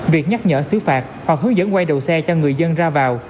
việc nhắc nhở xứ phạt hoặc hướng dẫn quay đầu xe cho người dân ra vào